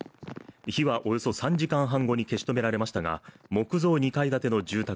火はおよそ３時間半後に消し止められましたが木造２階建ての住宅